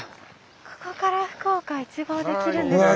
ここから福岡一望できるんですね。